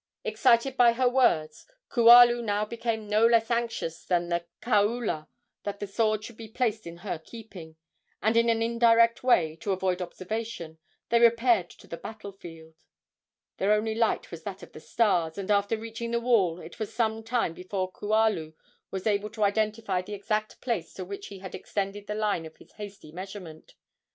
Excited by her words, Kualu now became no less anxious than the kaula that the sword should be placed in her keeping, and in an indirect way, to avoid observation, they repaired to the battle field. Their only light was that of the stars, and after reaching the wall it was some time before Kualu was able to identify the exact place to which he had extended the line of his hasty measurement.